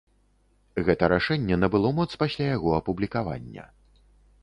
Гэта рашэнне набыло моц пасля яго апублікавання.